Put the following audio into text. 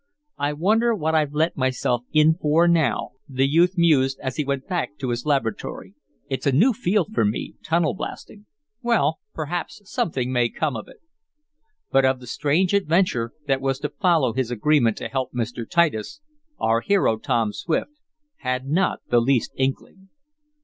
"I wonder what I've let myself in for now," the youth mused, as he went back to his laboratory. "It's a new field for me tunnel blasting. Well, perhaps something may come of it." But of the strange adventure that was to follow his agreement to help Mr. Titus, our hero, Tom Swift, had not the least inkling.